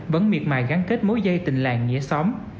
vẫn miệt mài gắn kết mối dây tình làng nghĩa xóm